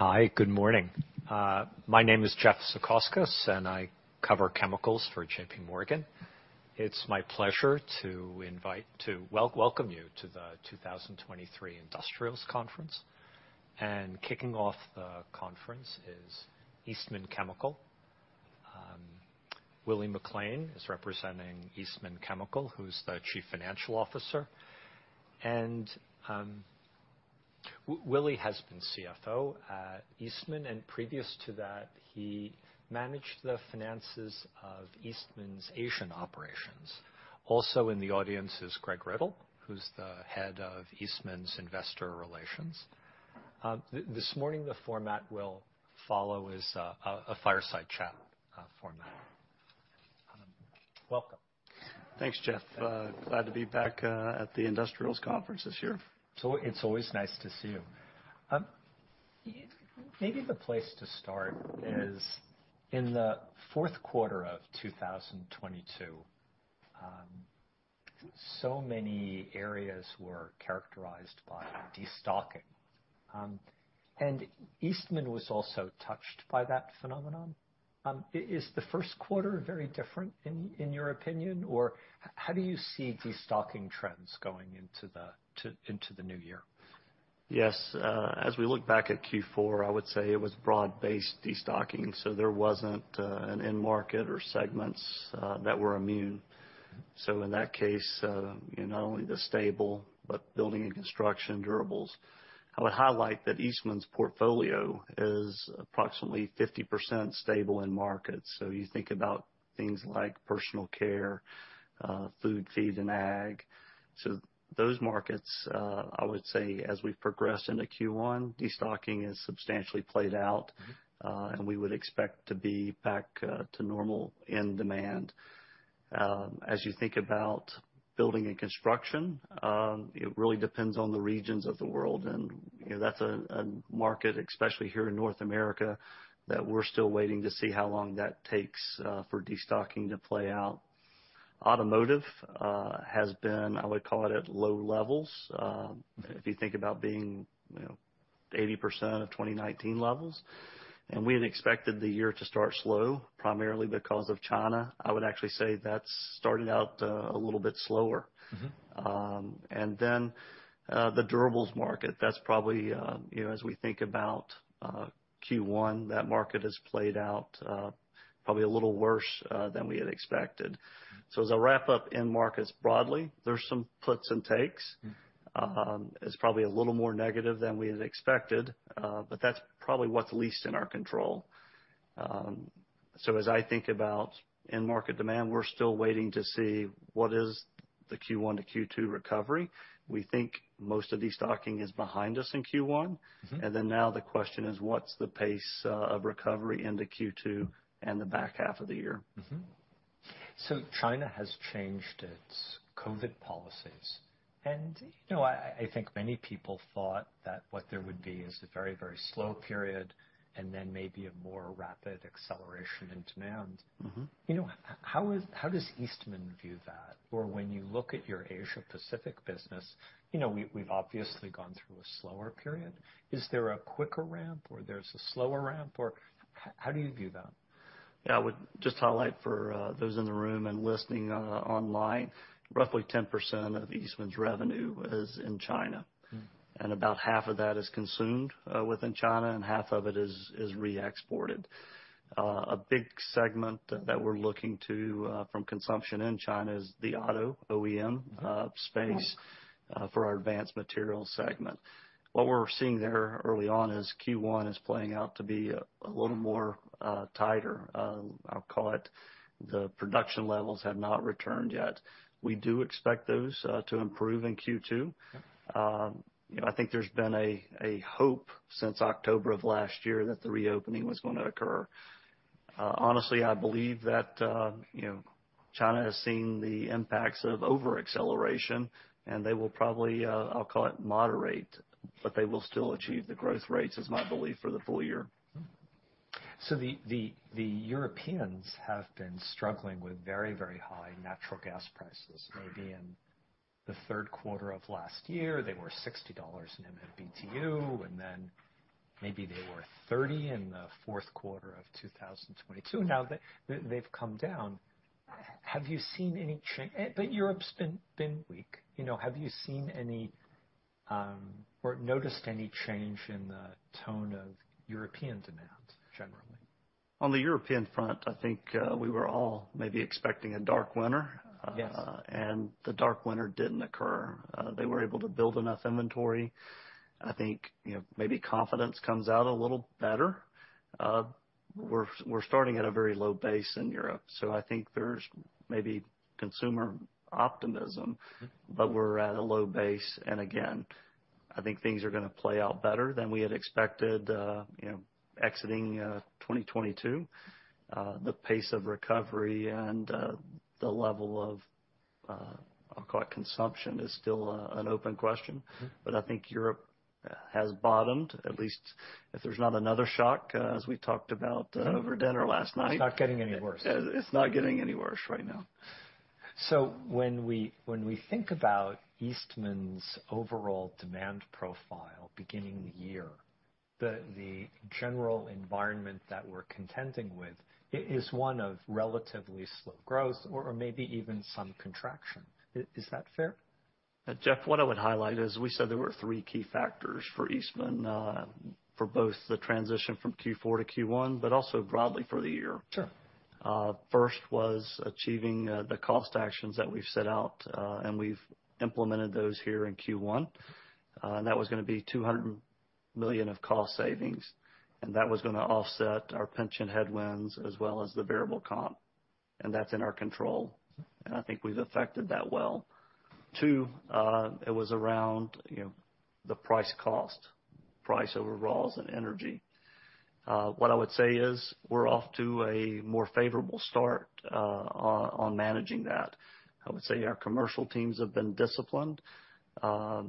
Hi, good morning. My name is Jeff Zekauskas, I cover chemicals for JPMorgan. It's my pleasure to welcome you to the 2023 Industrials Conference. Kicking off the conference is Eastman Chemical. Willie McLain is representing Eastman Chemical, who's the Chief Financial Officer. Willie has been CFO at Eastman, and previous to that, he managed the finances of Eastman's Asian operations. Also in the audience is Greg Riddle, who's the head of Eastman's Investor Relations. This morning, the format we'll follow is a fireside chat format. Welcome. Thanks, Jeff. glad to be back, at the Industrials Conference this year. It's always nice to see you. Maybe the place to start is in the fourth quarter of 2022, so many areas were characterized by destocking. Eastman was also touched by that phenomenon. Is the first quarter very different in your opinion? Or how do you see destocking trends going into the new year? Yes. As we look back at Q4, I would say it was broad-based destocking, so there wasn't an end market or segments that were immune. In that case, you know, not only the stable, but building and construction durables. I would highlight that Eastman's portfolio is approximately 50% stable end markets. You think about things like personal care, food, feed, and ag. Those markets, I would say as we progress into Q1, destocking is substantially played out, and we would expect to be back to normal end demand. As you think about building and construction, it really depends on the regions of the world and, you know, that's a market, especially here in North America, that we're still waiting to see how long that takes for destocking to play out. Automotive, has been, I would call it, at low levels. If you think about being, you know, 80% of 2019 levels. We had expected the year to start slow, primarily because of China. I would actually say that's started out, a little bit slower. Mm-hmm. The durables market, that's probably, you know, as we think about Q1, that market has played out probably a little worse than we had expected. As I wrap up end markets broadly, there's some puts and takes. It's probably a little more negative than we had expected, but that's probably what's least in our control. As I think about end market demand, we're still waiting to see what is the Q1 to Q2 recovery. We think most of destocking is behind us in Q1. Mm-hmm. Now the question is: What's the pace of recovery into Q2 and the back half of the year? Mm-hmm. China has changed its COVID policies. You know, I think many people thought that what there would be is a very, very slow period and then maybe a more rapid acceleration in demand. Mm-hmm. You know, how does Eastman view that? When you look at your Asia Pacific business, you know, we've obviously gone through a slower period. Is there a quicker ramp or there's a slower ramp or how do you view that? Yeah. I would just highlight for those in the room and listening online, roughly 10% of Eastman's revenue is in China. Mm. About half of that is consumed within China, and half of it is re-exported. A big segment that we're looking to from consumption in China is the auto OEM space for Advanced Materials segment. What we're seeing there early on is Q1 is playing out to be a little more tighter, I'll call it. The production levels have not returned yet. We do expect those to improve in Q2. You know, I think there's been a hope since October of last year that the reopening was gonna occur. Honestly, I believe that, you know, China has seen the impacts of over-acceleration, and they will probably, I'll call it moderate, but they will still achieve the growth rates, is my belief, for the full year. The Europeans have been struggling with very high natural gas prices. Maybe in the third quarter of last year, they were $60 an MMBtu, and then maybe they were $30 in the fourth quarter of 2022. Now they've come down. Have you seen any change? Europe's been weak. You know, have you seen any or noticed any change in the tone of European demand generally? On the European front, I think, we were all maybe expecting a dark winter. Yes. The dark winter didn't occur. They were able to build enough inventory. I think, you know, maybe confidence comes out a little better. We're starting at a very low base in Europe, I think there's maybe consumer optimism. Mm-hmm. We're at a low base. Again, I think things are gonna play out better than we had expected, you know, exiting, 2022. The pace of recovery and, the level of, I'll call it consumption, is still, an open question. Mm-hmm. I think Europe has bottomed, at least if there's not another shock, as we talked about, over dinner last night. It's not getting any worse. It's not getting any worse right now. When we think about Eastman's overall demand profile beginning the year, the general environment that we're contending with is one of relatively slow growth or maybe even some contraction. Is that fair? Jeff, what I would highlight is we said there were three key factors for Eastman, for both the transition from Q4 to Q1, but also broadly for the year. Sure. First was achieving the cost actions that we've set out, we've implemented those here in Q1. That was gonna be $200 million of cost savings, and that was gonna offset our pension headwinds as well as the variable comp, and that's in our control. I think we've affected that well. Two, it was around, you know, the price cost, price over raws and energy. What I would say is we're off to a more favorable start on managing that. I would say our commercial teams have been disciplined, and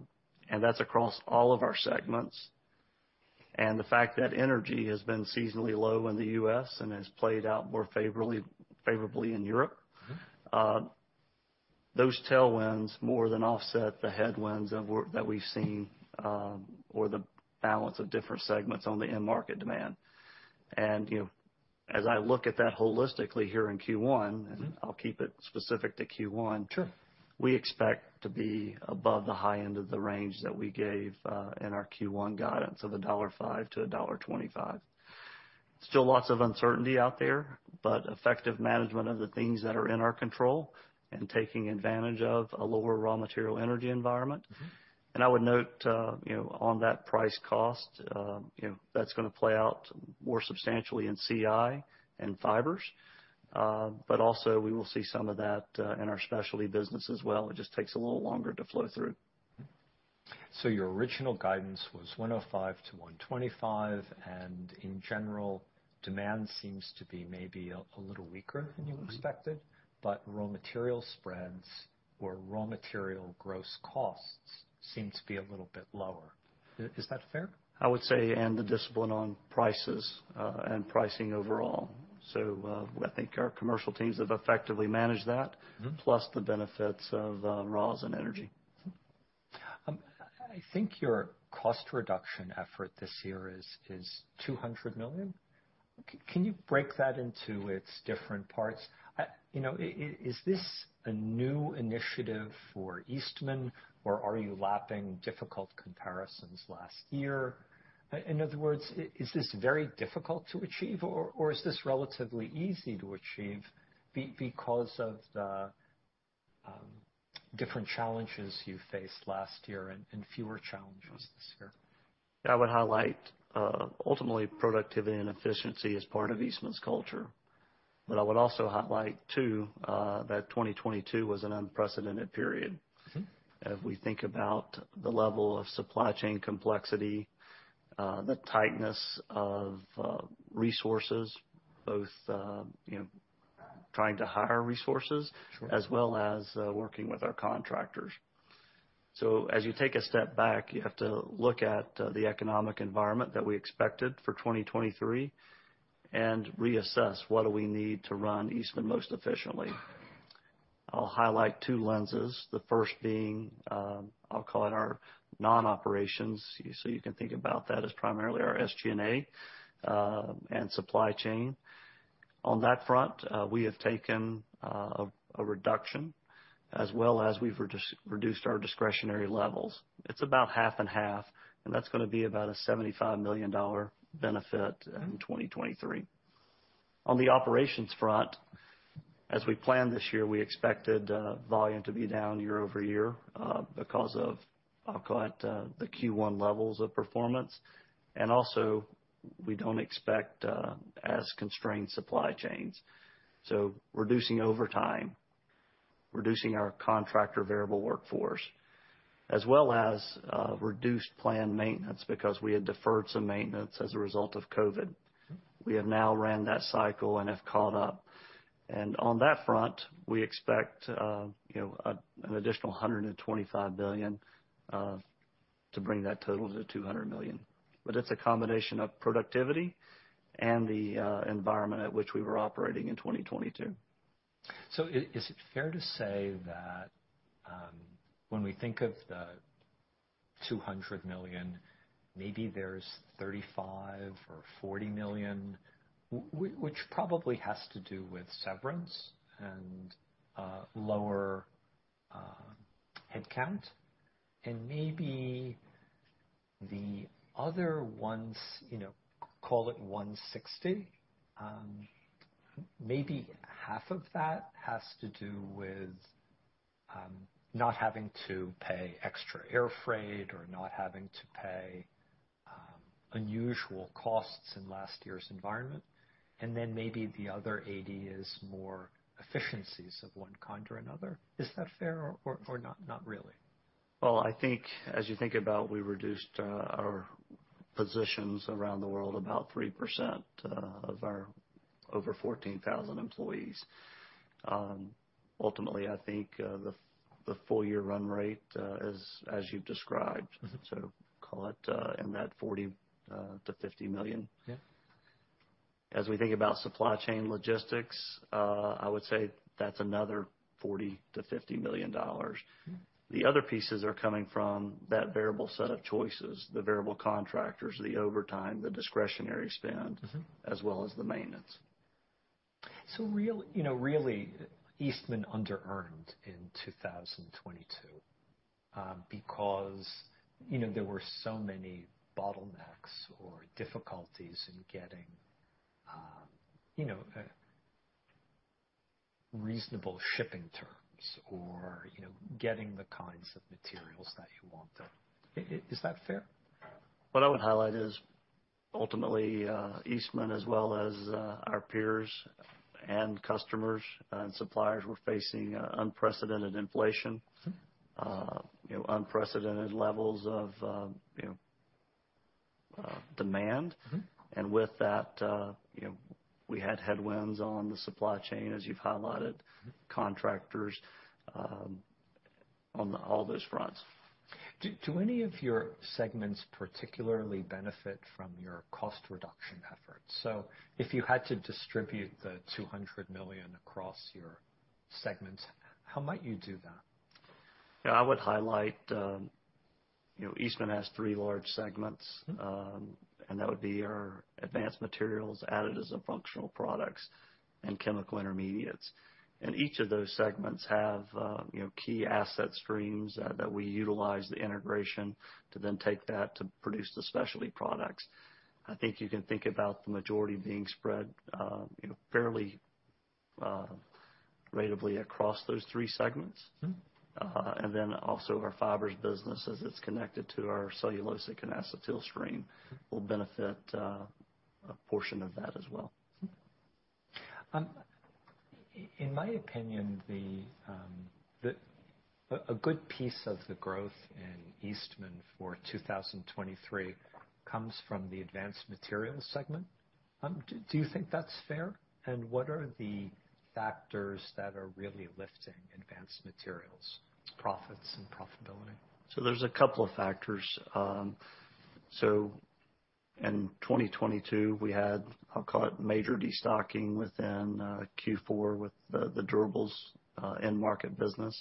that's across all of our segments. The fact that energy has been seasonally low in the U.S. and has played out more favorably in Europe. Mm-hmm. Those tailwinds more than offset the headwinds of work that we've seen, or the balance of different segments on the end market demand. You know, as I look at that holistically here in Q1. Mm-hmm. I'll keep it specific to Q1. Sure. We expect to be above the high end of the range that we gave in our Q1 guidance of $1.05-$1.25. Lots of uncertainty out there. Effective management of the things that are in our control and taking advantage of a lower raw material energy environment. Mm-hmm. I would note, you know, on that price cost, you know, that's gonna play out more substantially in CI and Fibers. Also we will see some of that, in our Specialty business as well. It just takes a little longer to flow through. Your original guidance was $1.05-$1.25, and in general, demand seems to be maybe a little weaker than you expected. Mm-hmm. Raw material spreads or raw material gross costs seem to be a little bit lower. Is that fair? I would say, the discipline on prices, and pricing overall. I think our commercial teams have effectively managed that. Mm-hmm. Plus the benefits of, raws and energy. I think your cost reduction effort this year is $200 million. Can you break that into its different parts? You know, is this a new initiative for Eastman, or are you lapping difficult comparisons last year? In other words, is this very difficult to achieve, or is this relatively easy to achieve because of the different challenges you faced last year and fewer challenges this year? I would highlight, ultimately productivity and efficiency as part of Eastman's culture. I would also highlight, too, that 2022 was an unprecedented period. Mm-hmm. If we think about the level of supply chain complexity, the tightness of resources, both, you know, trying to hire resources. Sure As well as, working with our contractors. As you take a step back, you have to look at, the economic environment that we expected for 2023 and reassess what do we need to run Eastman most efficiently. I'll highlight two lenses. The first being, I'll call it our non-operations. You can think about that as primarily our SG&A, and supply chain. On that front, we have taken a reduction, as well as we've reduced our discretionary levels. It's about half and half, and that's gonna be about a $75 million benefit. Mm-hmm In 2023. On the operations front, as we planned this year, we expected volume to be down year-over-year, because of, I'll call it, the Q1 levels of performance. Also we don't expect as constrained supply chains. Reducing overtime, reducing our contractor variable workforce, as well as reduced planned maintenance because we had deferred some maintenance as a result of COVID. Mm-hmm. We have now ran that cycle and have caught up. On that front, we expect, you know, an additional $125 billion to bring that total to $200 million. It's a combination of productivity and the environment at which we were operating in 2022. Is it fair to say that, when we think of the $200 million, maybe there's $35 million or $40 million, which probably has to do with severance and lower headcount, and maybe the other ones, you know, call it $160, maybe half of that has to do with not having to pay extra air freight or not having to pay unusual costs in last year's environment, and then maybe the other $80 is more efficiencies of one kind or another? Is that fair or not really? I think as you think about we reduced our positions around the world about 3% of our over 14,000 employees. Ultimately, I think the full year run rate as you've described. Mm-hmm So call it, in that $40 million-$50 million. Yeah. As we think about supply chain logistics, I would say that's another $40 million-$50 million. Mm-hmm. The other pieces are coming from that variable set of choices, the variable contractors, the overtime, the discretionary spend. Mm-hmm As well as the maintenance. You know, really, Eastman under-earned in 2022, because, you know, there were so many bottlenecks or difficulties in getting, you know, reasonable shipping terms or, you know, getting the kinds of materials that you wanted. Is that fair? What I would highlight is ultimately, Eastman as well as, our peers and customers and suppliers were facing, unprecedented inflation. Mm-hmm. You know, unprecedented levels of, you know, demand. Mm-hmm. With that, you know, we had headwinds on the supply chain, as you've highlighted. Mm-hmm. Contractors, on all those fronts. Do any of your segments particularly benefit from your cost reduction efforts? If you had to distribute the $200 million across your segments, how might you do that? I would highlight, you know, Eastman has three large segments. Mm-hmm. That would be Advanced Materials, Additives & Functional Products, and Chemical Intermediates. Each of those segments have, you know, key asset streams that we utilize the integration to then take that to produce the Specialty products. I think you can think about the majority being spread, you know, fairly, ratably across those three segments. Mm-hmm. Also our Fibers business as it's connected to our cellulosic and acetyl stream. Mm-hmm Will benefit, a portion of that as well. In my opinion, a good piece of the growth in Eastman for 2023 comes from Advanced Materials segment. Do you think that's fair? What are the factors that are really Advanced Materials, profits and profitability? There's a couple of factors. In 2022, we had, I'll call it major destocking within Q4 with the durables end market business.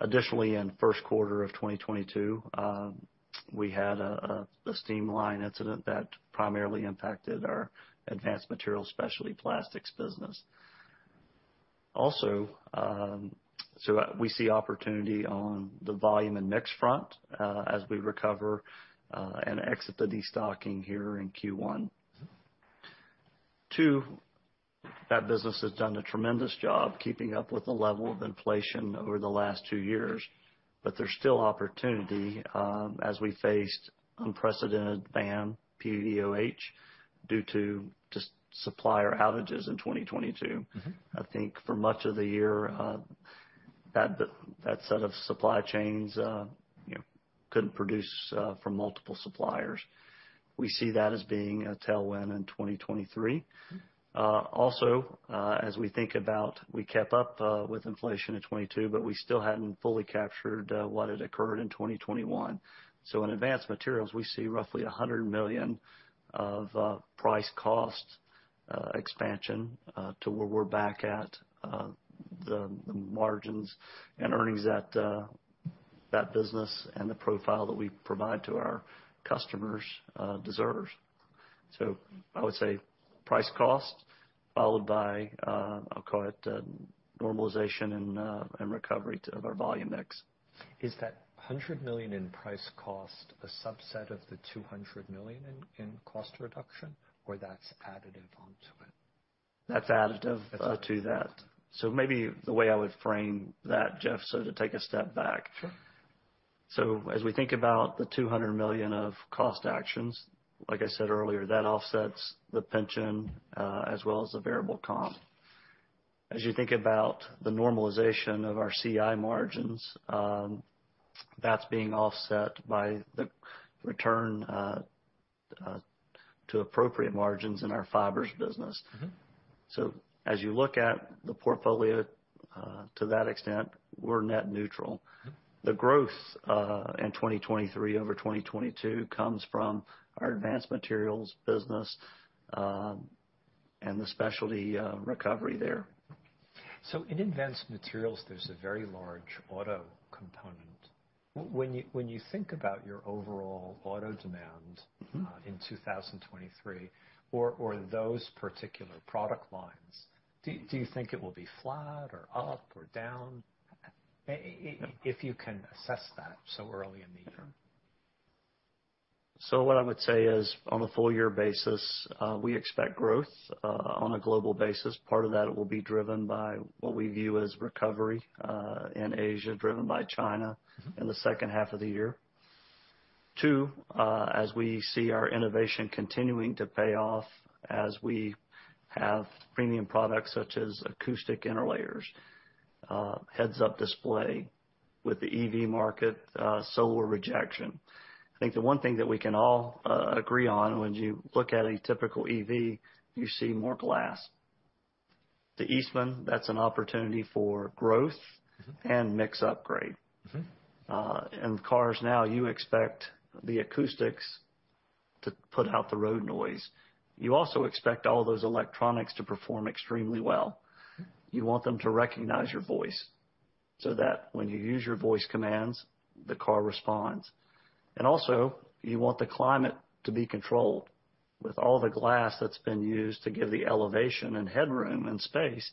Additionally, in first quarter of 2022, we had a steam line incident that primarily impacted Advanced Materials, Specialty Plastics business. Also, we see opportunity on the volume and mix front, as we recover and exit the destocking here in Q1. Mm-hmm. Two, that business has done a tremendous job keeping up with the level of inflation over the last two years. There's still opportunity as we faced unprecedented ban PDOH due to just supplier outages in 2022. Mm-hmm. I think for much of the year, that set of supply chains, you know, couldn't produce, from multiple suppliers. We see that as being a tailwind in 2023. Mm-hmm. Also, as we think about we kept up with inflation in 2022, but we still hadn't fully captured what had occurred in 2021. Advanced Materials, we see roughly $100 million of price cost expansion to where we're back at the margins and earnings that that business and the profile that we provide to our customers deserves. I would say price cost followed by I'll call it normalization and recovery to our volume mix. Is that $100 million in price cost a subset of the $200 million in cost reduction, or that's additive onto it? That's additive to that. That's additive. Maybe the way I would frame that, Jeff, so to take a step back. Sure. As we think about the $200 million of cost actions, like I said earlier, that offsets the pension, as well as the variable comp. As you think about the normalization of our CI margins, that's being offset by the return, to appropriate margins in our Fibers business. Mm-hmm. As you look at the portfolio, to that extent, we're net neutral. Mm-hmm. The growth in 2023 over 2022 comes from Advanced Materials business, and the Specialty recovery there. Advanced Materials, there's a very large auto component. When you think about your overall auto demand. Mm-hmm In 2023 or those particular product lines, do you think it will be flat or up or down? If you can assess that so early in the term. What I would say is, on a full year basis, we expect growth, on a global basis. Part of that will be driven by what we view as recovery, in Asia, driven by China. Mm-hmm In the second half of the year. Two, as we see our innovation continuing to pay off as we have premium products such as acoustic interlayers, head-up display with the EV market, solar control. I think the one thing that we can all agree on when you look at a typical EV, you see more glass. To Eastman, that's an opportunity for growth. Mm-hmm. Mix upgrade. Mm-hmm. In cars now, you expect the acoustics to put out the road noise. You also expect all those electronics to perform extremely well. Mm-hmm. You want them to recognize your voice, so that when you use your voice commands, the car responds. Also, you want the climate to be controlled. With all the glass that's been used to give the elevation and headroom and space,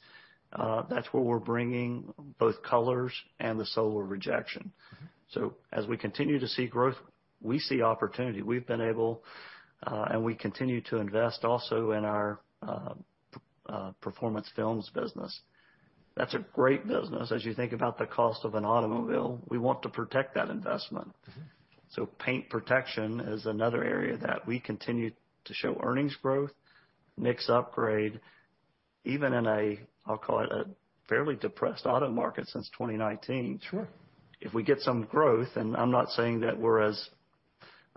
that's where we're bringing both colors and the solar control. Mm-hmm. As we continue to see growth, we see opportunity. We've been able, and we continue to invest also in our Performance Films business. That's a great business. As you think about the cost of an automobile, we want to protect that investment. Mm-hmm. Paint protection is another area that we continue to show earnings growth, mix upgrade, even in a, I'll call it a fairly depressed auto market since 2019. Sure. We get some growth, I'm not saying that we're as,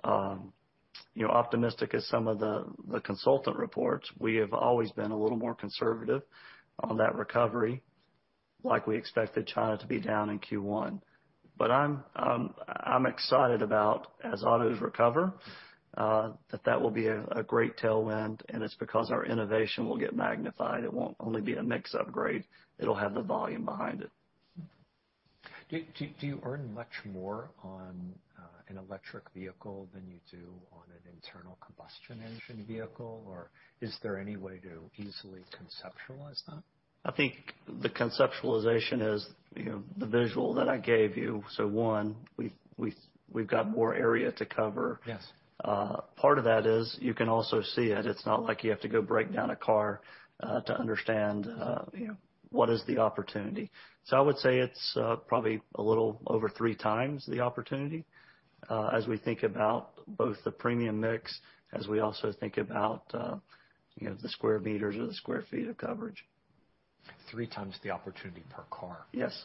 you know, optimistic as some of the consultant reports, we have always been a little more conservative on that recovery. We expected China to be down in Q1. I'm excited about, as autos recover, that will be a great tailwind, and it's because our innovation will get magnified. It won't only be a mix upgrade, it'll have the volume behind it. Do you earn much more on an electric vehicle than you do on an internal combustion engine vehicle? Is there any way to easily conceptualize that? I think the conceptualization is, you know, the visual that I gave you. One, we've got more area to cover. Yes. Part of that is you can also see it. It's not like you have to go break down a car to understand, you know, what is the opportunity. I would say it's probably a little over three times the opportunity, as we think about both the premium mix, as we also think about, you know, the square meters or the square feet of coverage. Three times the opportunity per car? Yes.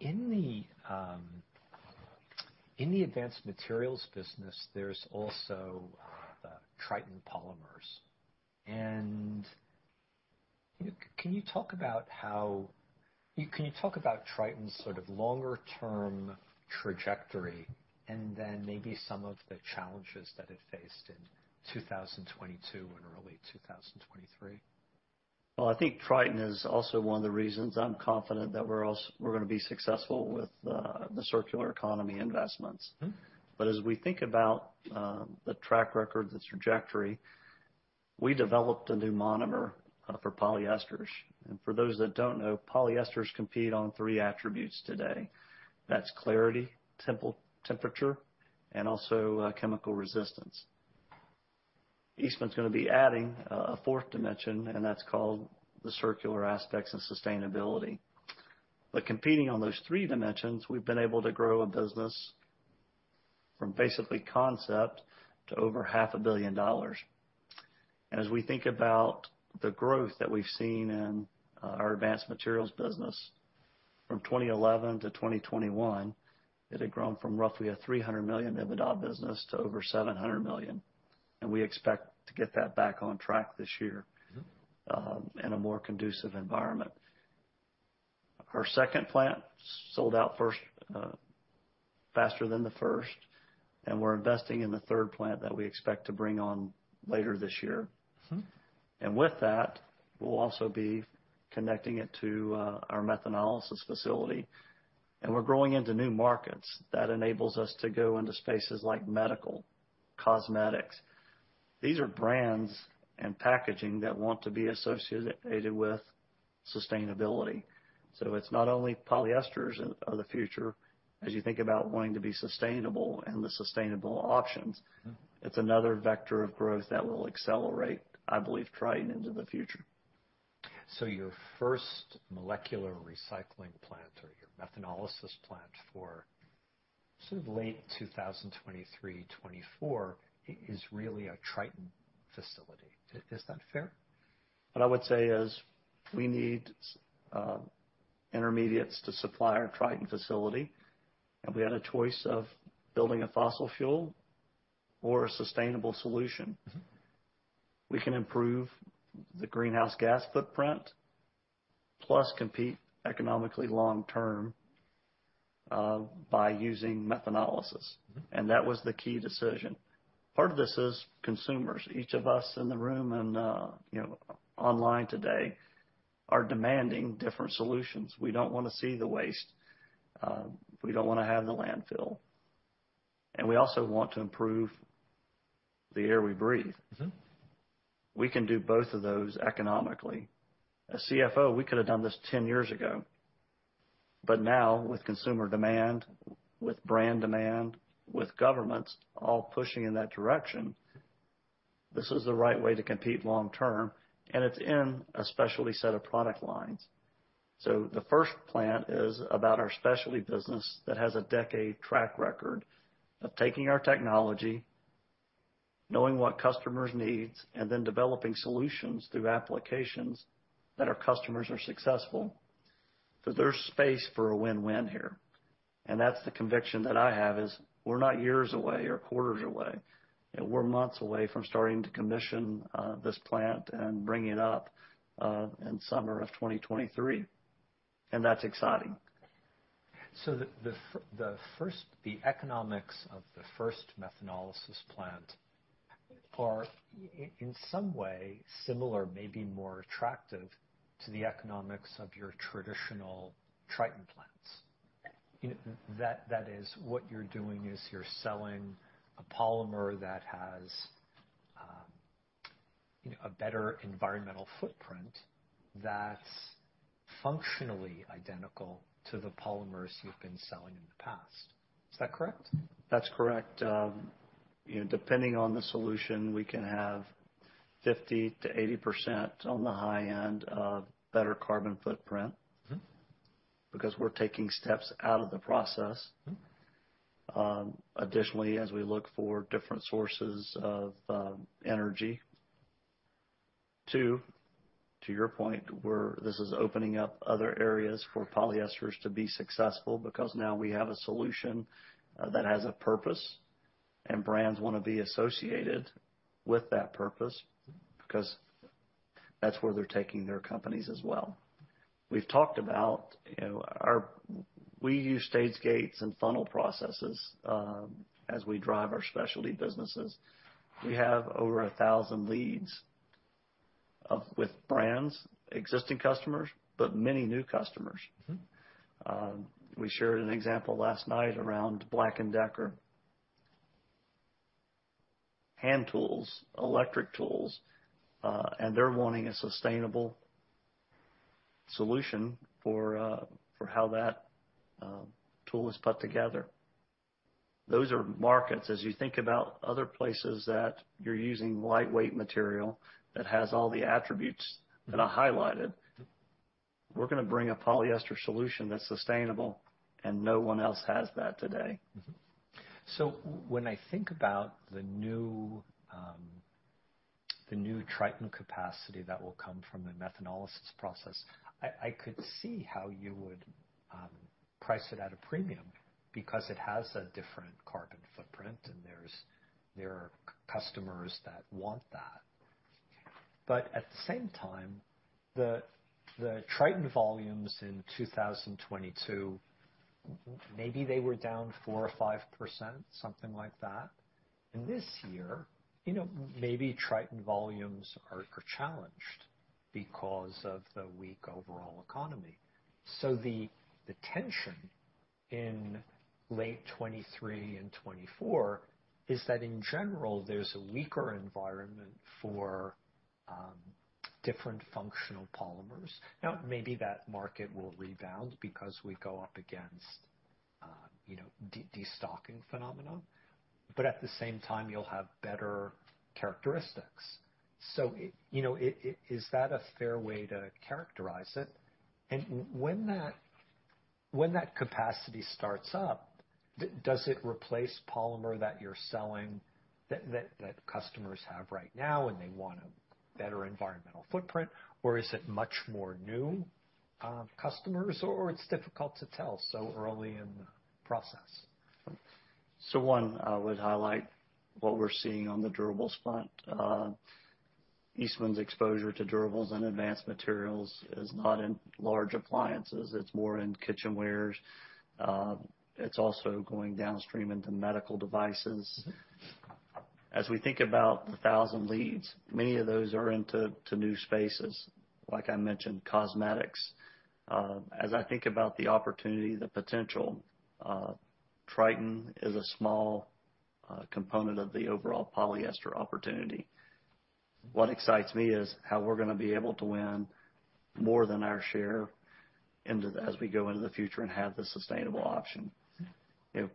In Advanced Materials business, there's also, the Tritan polymers. Can you talk about Tritan's sort of longer term trajectory and then maybe some of the challenges that it faced in 2022 and early 2023? Well, I think Tritan is also one of the reasons I'm confident that we're gonna be successful with the circular economy investments. Mm-hmm. As we think about the track record, the trajectory, we developed a new monomer for polyesters. For those that don't know, polyesters compete on three attributes today. That's clarity, temperature, and also chemical resistance. Eastman's gonna be adding a fourth dimension, and that's called the circular aspects of sustainability. Competing on those three dimensions, we've been able to grow a business from basically concept to over $500 million. As we think about the growth that we've seen in Advanced Materials business from 2011 to 2021, it had grown from roughly a $300 million EBITDA business to over $700 million, and we expect to get that back on track this year. Mm-hmm. In a more conducive environment. Our second plant sold out first, faster than the first, and we're investing in the third plant that we expect to bring on later this year. Mm-hmm. With that, we'll also be connecting it to our methanolysis facility, and we're growing into new markets that enables us to go into spaces like medical, cosmetics. These are brands and packaging that want to be associated with sustainability. It's not only polyesters are the future as you think about wanting to be sustainable and the sustainable options. Mm-hmm. It's another vector of growth that will accelerate, I believe, Tritan into the future. Your first molecular recycling plant or your methanolysis plant for sort of late 2023, 2024 is really a Tritan facility. Is that fair? What I would say is we need, intermediates to supply our Tritan facility, and we had a choice of building a fossil fuel or a sustainable solution. Mm-hmm. We can improve the greenhouse gas footprint, plus compete economically long term, by using methanolysis. Mm-hmm. That was the key decision. Part of this is consumers. Each of us in the room and, you know, online today are demanding different solutions. We don't wanna see the waste, we don't wanna have the landfill, and we also want to improve the air we breathe. Mm-hmm. We can do both of those economically. As CFO, we could have done this 10 years ago, but now with consumer demand, with brand demand, with governments all pushing in that direction, this is the right way to compete long term, and it's in a Specialty set of product lines. The first plant is about our Specialty business that has a decade track record of taking our technology, knowing what customers' needs, and then developing solutions through applications that our customers are successful. There's space for a win-win here, and that's the conviction that I have, is we're not years away or quarters away, we're months away from starting to commission this plant and bring it up in summer of 2023. That's exciting. The economics of the first methanolysis plant are in some way similar, maybe more attractive to the economics of your traditional Tritan plants. You know, that is what you're doing is you're selling a polymer that has a better environmental footprint that's functionally identical to the polymers you've been selling in the past. Is that correct? That's correct. You know, depending on the solution, we can have 50%-80% on the high end of better carbon footprint. Mm-hmm. We're taking steps out of the process. Mm-hmm. Additionally, as we look for different sources of energy. Two, to your point, this is opening up other areas for polyesters to be successful because now we have a solution that has a purpose, and brands wanna be associated with that purpose because that's where they're taking their companies as well. We've talked about, you know, we use Stage-Gates and funnel processes as we drive our Specialty businesses. We have over 1,000 leads with brands, existing customers, but many new customers. Mm-hmm. We shared an example last night around Black & Decker hand tools, electric tools, and they're wanting a sustainable solution for how that tool is put together. Those are markets, as you think about other places that you're using lightweight material that has all the attributes that I highlighted. Mm-hmm. We're gonna bring a polyester solution that's sustainable, and no one else has that today. When I think about the new, the new Tritan capacity that will come from the methanolysis process, I could see how you would price it at a premium because it has a different carbon footprint, and there are customers that want that. At the same time, the Tritan volumes in 2022, maybe they were down 4%-5%, something like that. This year, you know, maybe Tritan volumes are challenged because of the weak overall economy. The, the tension in late 2023 and 2024 is that in general, there's a weaker environment for different functional polymers. Maybe that market will rebound because we go up against, you know, destocking phenomenon. At the same time, you'll have better characteristics. You know, is that a fair way to characterize it? When that capacity starts up, does it replace polymer that you're selling, that customers have right now, and they want a better environmental footprint, or is it much more new customers, or it's difficult to tell so early in the process? One, I would highlight what we're seeing on the durables front. Eastman's exposure to durables Advanced Materials is not in large appliances. It's more in kitchenwares. It's also going downstream into medical devices. As we think about the 1,000 leads, many of those are into new spaces, like I mentioned, cosmetics. As I think about the opportunity, the potential, Tritan is a small component of the overall polyester opportunity. What excites me is how we're gonna be able to win more than our share as we go into the future and have the sustainable option. Mm-hmm.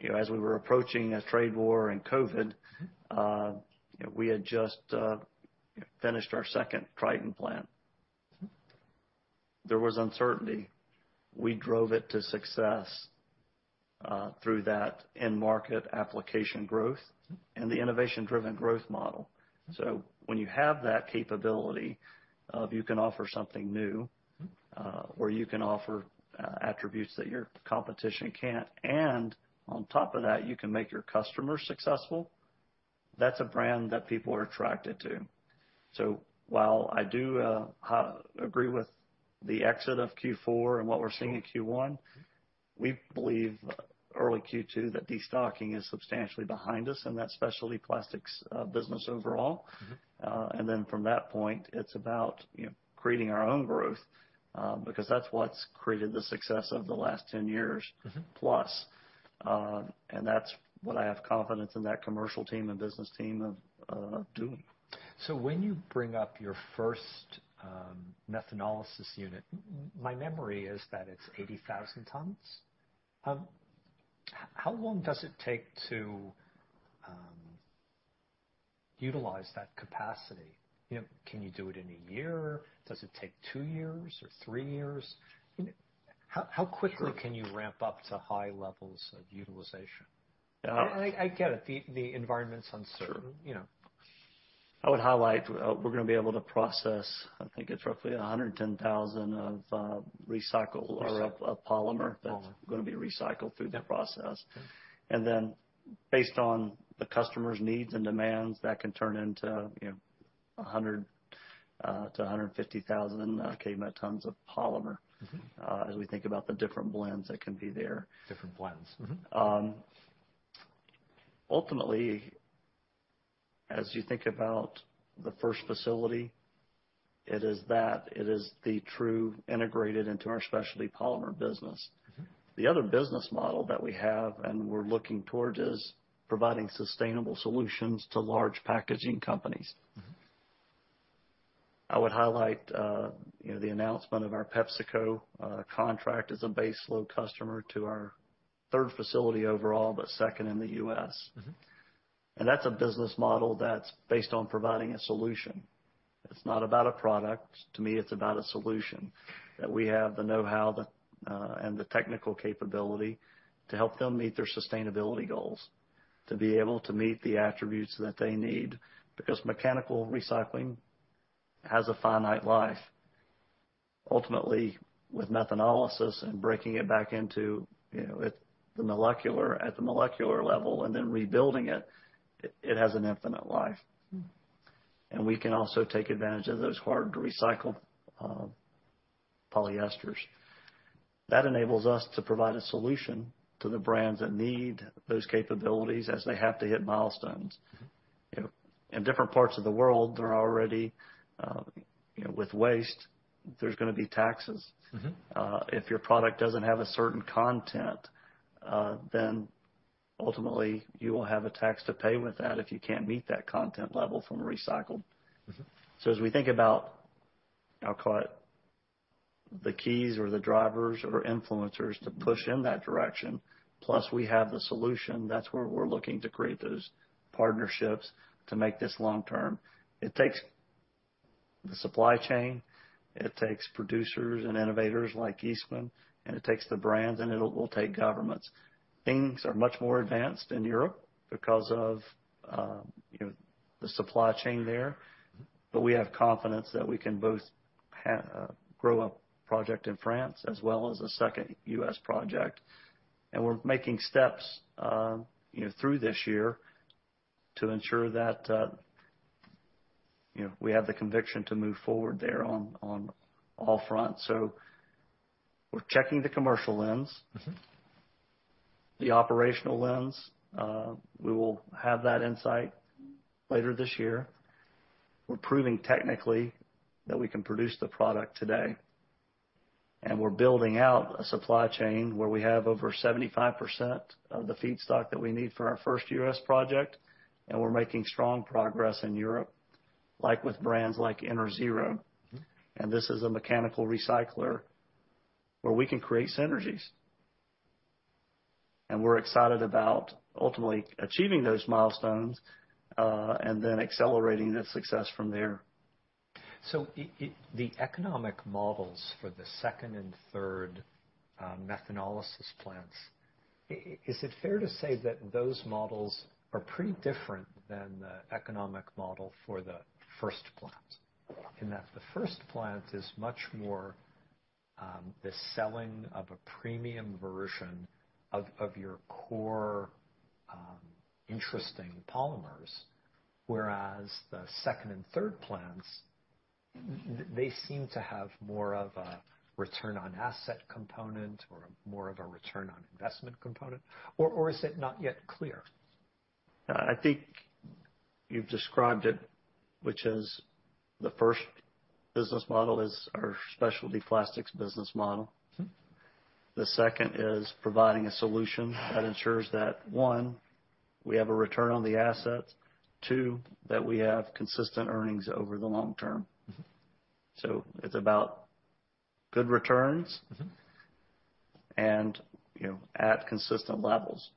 You know, as we were approaching a trade war and COVID. Mm-hmm We had just finished our second Tritan plant. Mm-hmm. There was uncertainty. We drove it to success, through that end market application growth... Mm-hmm The innovation-driven growth model. Mm-hmm. When you have that capability of you can offer something new. Mm-hmm Or you can offer attributes that your competition can't, and on top of that, you can make your customers successful, that's a brand that people are attracted to. While I do agree with the exit of Q4 and what we're seeing in Q1. Mm-hmm. We believe early Q2 that destocking is substantially behind us in that Specialty Plastics business overall. Mm-hmm. From that point, it's about, you know, creating our own growth, because that's what's created the success of the last 10+ years. Mm-hmm That's what I have confidence in that commercial team and business team of doing. When you bring up your first methanolysis unit, my memory is that it's 80,000 tons. How long does it take to utilize that capacity? You know, can you do it in a year? Does it take two years or three years? How quickly can you ramp up to high levels of utilization? Uh- I get it. The environment's uncertain, you know. I would highlight, we're gonna be able to process, I think it's roughly 110,000 of, recycle or of polymer that's gonna be recycled through that process. Based on the customer's needs and demands, that can turn into, you know, 100,000 kt-150,000 kt of polymer, as we think about the different blends that can be there. Different blends. Mm-hmm. Ultimately, as you think about the first facility, it is that, it is the true integrated into our Specialty polymer business. Mm-hmm. The other business model that we have and we're looking towards is providing sustainable solutions to large packaging companies. Mm-hmm. I would highlight, you know, the announcement of our PepsiCo contract as a baseload customer to our third facility overall, but second in the U.S. Mm-hmm. That's a business model that's based on providing a solution. It's not about a product. To me, it's about a solution, that we have the know-how, the, and the technical capability to help them meet their sustainability goals, to be able to meet the attributes that they need, because mechanical recycling has a finite life. Ultimately, with methanolysis and breaking it back into, you know, at the molecular level and then rebuilding it has an infinite life. Mm-hmm. We can also take advantage of those hard to recycle polyesters. That enables us to provide a solution to the brands that need those capabilities as they have to hit milestones. Mm-hmm. You know, in different parts of the world, there are already, you know, with waste, there's gonna be taxes. Mm-hmm. If your product doesn't have a certain content, then ultimately you will have a tax to pay with that if you can't meet that content level from recycled. Mm-hmm. As we think about, I'll call it the keys or the drivers or influencers to push in that direction, plus we have the solution, that's where we're looking to create those partnerships to make this long term. It takes the supply chain, it takes producers and innovators like Eastman, and it will take governments. Things are much more advanced in Europe because of, you know, the supply chain there. Mm-hmm. We have confidence that we can both grow a project in France as well as a second U.S. project. We're making steps, you know, through this year to ensure that, you know, we have the conviction to move forward there on all fronts. We're checking the commercial lens. Mm-hmm. The operational lens, we will have that insight later this year. We're proving technically that we can produce the product today. We're building out a supply chain where we have over 75% of the feedstock that we need for our first U.S. project, and we're making strong progress in Europe, like with brands like Interzero. Mm-hmm. This is a mechanical recycler where we can create synergies. We're excited about ultimately achieving those milestones, and then accelerating that success from there. The economic models for the second and third methanolysis plants, is it fair to say that those models are pretty different than the economic model for the first plant? In that the first plant is much more the selling of a premium version of your core interesting polymers, whereas the second and third plants, they seem to have more of a return on asset component or more of a return on investment component, or is it not yet clear? No, I think you've described it, which is the first business model is our Specialty Plastics business model. Mm-hmm. The second is providing a solution that ensures that, one, we have a return on the assets, two, that we have consistent earnings over the long term. Mm-hmm. It's about good returns. Mm-hmm And, you know, at consistent levels.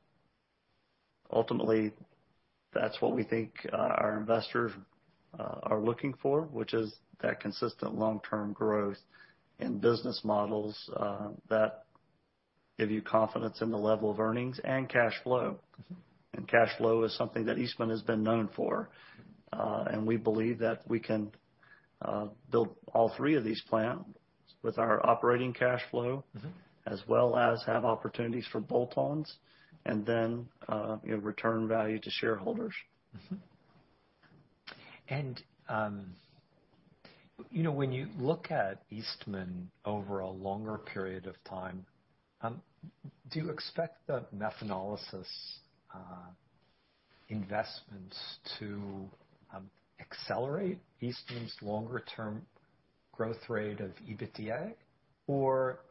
Ultimately, that's what we think, our investors, are looking for, which is that consistent long-term growth and business models, that give you confidence in the level of earnings and cash flow. Mm-hmm. Cash flow is something that Eastman has been known for. We believe that we can build all three of these plants with our operating cash flow. Mm-hmm As well as have opportunities for bolt-ons and then, return value to shareholders. You know, when you look at Eastman over a longer period of time, do you expect the methanolysis investments to accelerate Eastman's longer term growth rate of EBITDA?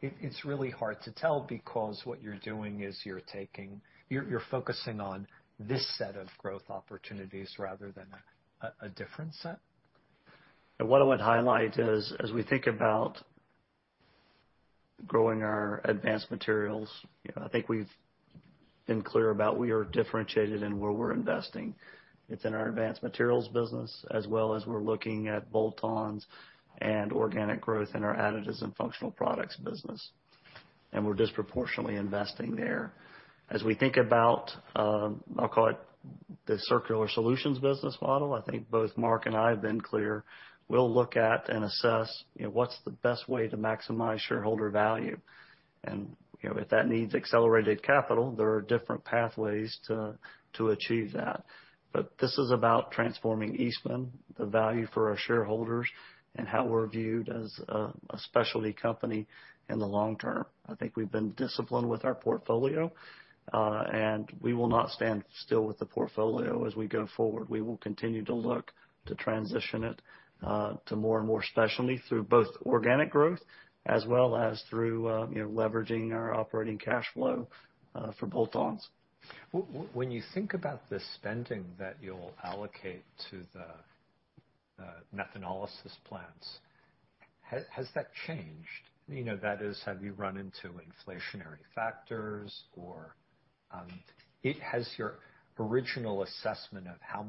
It's really hard to tell because what you're doing is you're taking, you're focusing on this set of growth opportunities rather than a different set? What I would highlight is, as we think about growing Advanced Materials, you know, I think we've been clear about we are differentiated in where we're investing. It's in Advanced Materials business, as well as we're looking at bolt-ons and organic growth in our Additives & Functional Products business. We're disproportionately investing there. As we think about, I'll call it the circular solutions business model, I think both Mark and I have been clear, we'll look at and assess, you know, what's the best way to maximize shareholder value. You know, if that needs accelerated capital, there are different pathways to achieve that. This is about transforming Eastman, the value for our shareholders, and how we're viewed as a Specialty company in the long term. I think we've been disciplined with our portfolio. We will not stand still with the portfolio as we go forward. We will continue to look to transition it to more and more Specialty through both organic growth as well as through, you know, leveraging our operating cash flow for add-ons. When you think about the spending that you'll allocate to the methanolysis plants, has that changed? You know, that is, have you run into inflationary factors or has your original assessment of how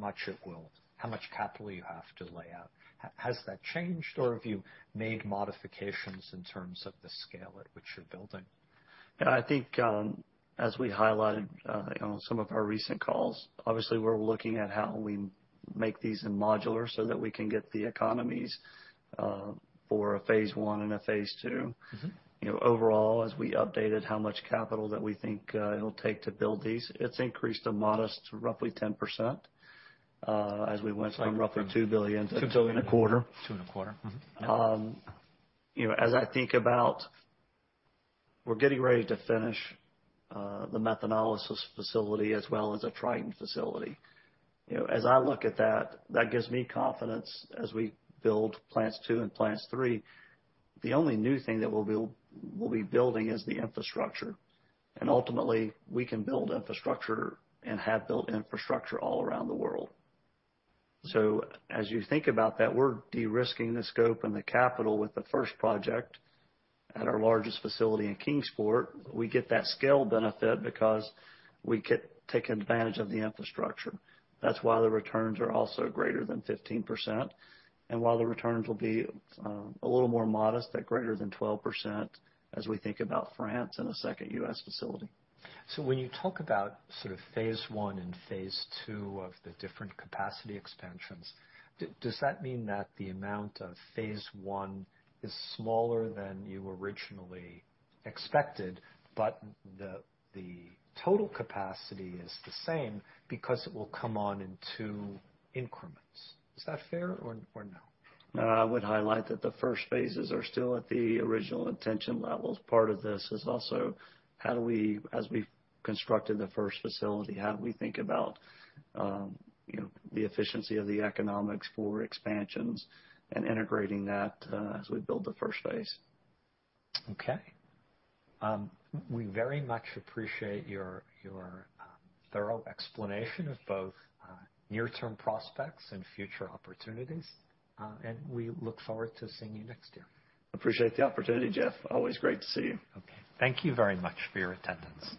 much capital you have to lay out, has that changed or have you made modifications in terms of the scale at which you're building? I think, as we highlighted, you know, on some of our recent calls, obviously we're looking at how we make these in modular so that we can get the economies for a phase one and a phase two. Mm-hmm. You know, overall, as we updated how much capital that we think, it'll take to build these, it's increased a modest, roughly 10%, as we went from roughly $2 billion-$2.25 billion. $2.25 billion. Mm-hmm. You know, as I think about we're getting ready to finish the methanolysis facility as well as a Tritan facility. You know, as I look at that gives me confidence as we build plants 2 and plants 3. The only new thing that we'll be building is the infrastructure. Ultimately, we can build infrastructure and have built infrastructure all around the world. As you think about that, we're de-risking the scope and the capital with the first project at our largest facility in Kingsport. We get that scale benefit because we get to take advantage of the infrastructure. That's why the returns are also greater than 15%, and while the returns will be a little more modest at greater than 12% as we think about France and a second U.S. facility. When you talk about sort of phase one and phase two of the different capacity expansions, does that mean that the amount of phase one is smaller than you originally expected, but the total capacity is the same because it will come on in two increments? Is that fair or no? No, I would highlight that the first phases are still at the original intention levels. Part of this is also how do we, as we've constructed the first facility, how do we think about, you know, the efficiency of the economics for expansions and integrating that as we build the first phase. Okay. We very much appreciate your thorough explanation of both, near-term prospects and future opportunities, and we look forward to seeing you next year. Appreciate the opportunity, Jeff. Always great to see you. Okay. Thank you very much for your attendance.